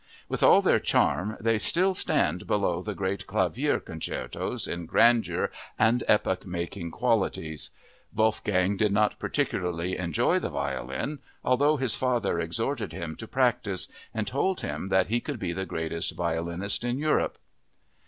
With all their charm they still stand below the great clavier concertos in grandeur and epoch making qualities. Wolfgang did not particularly enjoy the violin although his father exhorted him to practice and told him that he could be the greatest violinist in Europe.